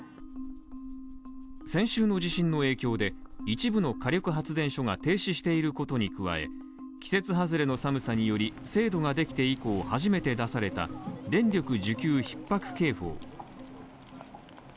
先週の地震の影響で一部の火力発電所が停止していることに加え季節外れの寒さにより制度ができて以降初めて出された電力需給ひっ迫警報。